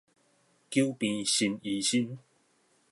久病成醫生